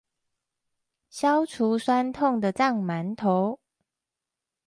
消除痠痛地藏饅頭